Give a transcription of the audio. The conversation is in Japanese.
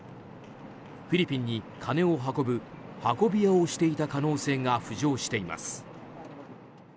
フィリピンに金を運ぶ運び屋をしていた可能性が浮上しています。